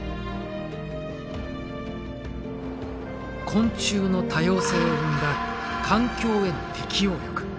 昆虫の多様性を生んだ環境への適応力。